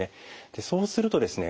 そうするとですね